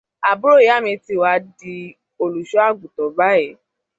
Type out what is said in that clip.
Àbúrò ìyá mí ti wà di olùṣọ àgùntàn báyìí.